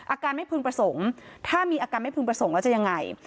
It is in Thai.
อาการไม่พึงประสงค์ถ้ามีอาการไม่พึงประสงค์แล้วจะยังไง